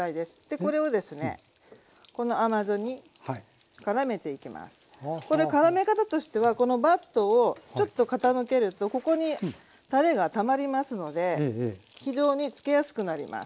これからめ方としてはこのバットをちょっと傾けるとここにたれがたまりますので非常につけやすくなります。